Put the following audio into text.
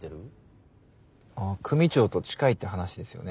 組長と近いって話ですよね。